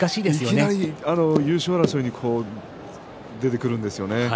いきなり優勝争いに出てくるんですよね。